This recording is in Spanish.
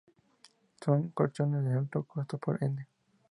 Son colchones de alto costo por ende.